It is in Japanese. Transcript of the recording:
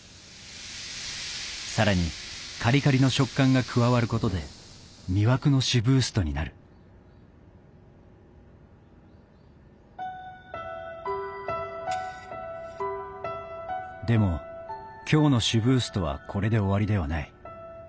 さらにカリカリの食感が加わることで魅惑のシブーストになるでも今日のシブーストはこれで終わりではない。